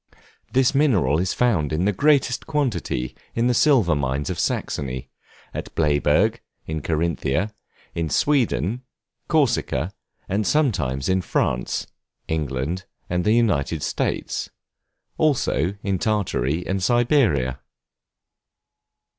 This mineral is found in the greatest quantity in the silver mines of Saxony; at Bleyburg, in Carinthia; in Sweden, Corsica, and sometimes in France, England, and the United States; also in Tartary and Siberia.